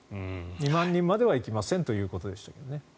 ２万人までは行きませんということでしたね。